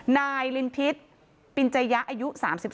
นายลินทิศปินจยะอายุ๓๒